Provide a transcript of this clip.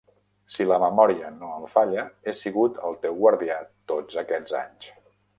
Si la memòria no em falla, he sigut el teu guardià tots aquests anys.